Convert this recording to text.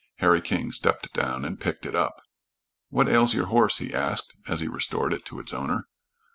Harry King stepped down and picked it up. "What ails your horse?" he asked, as he restored it to its owner.